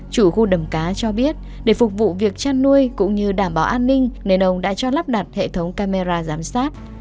chủ khu đầm cá cho biết để phục vụ việc chăn nuôi cũng như đảm bảo an ninh nên ông đã cho lắp đặt hệ thống camera giám sát